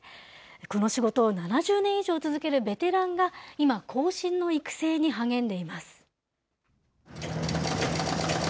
この仕事を７０年以上続けるベテランが今、後進の育成に励んでいます。